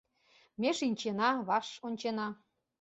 Ме шинчена, ваш ончена